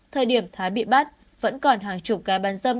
thời điểm thái bị bắt vẫn còn hàng chục cá bán dâm